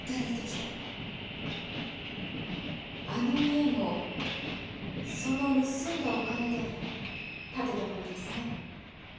あの家もその盗んだお金で建てたものですね？